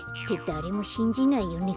だれもしんじないよね